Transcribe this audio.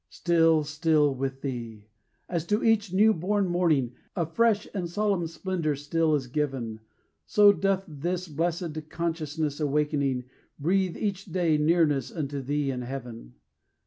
Still, still with thee! as to each new born morning A fresh and solemn splendor still is given, So doth this blessed consciousness, awaking, Breathe, each day, nearness unto thee and heaven.